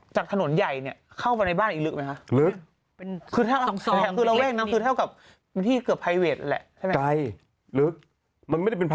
จากถนนใหญ่เนี่ยเข้ามาในบ้านอีกลึกไหมคะ